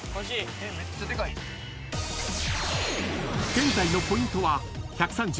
［現在のポイントは］